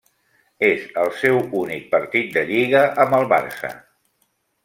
És el seu únic partit de Lliga amb el Barça.